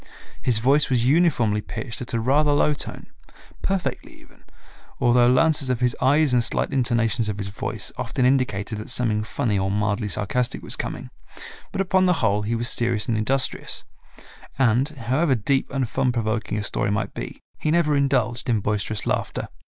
His voice was uniformly pitched at a rather low tone, perfectly even, although lances of his eyes and slight intonations of his voice often indicated that something funny or mildly sarcastic was coming, but upon the whole he was serious and industrious, and, however deep and fun provoking a story might be, he never indulged in boisterous laughter.